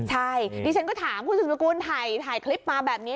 ใช่ดิฉันก็ถามคุณสุดสกุลถ่ายคลิปมาแบบนี้